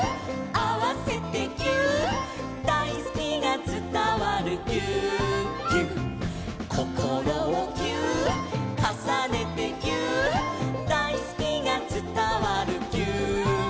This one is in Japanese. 「あわせてぎゅーっ」「だいすきがつたわるぎゅーっぎゅっ」「こころをぎゅーっ」「かさねてぎゅーっ」「だいすきがつたわるぎゅーっぎゅっ」